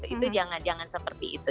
itu jangan jangan seperti itu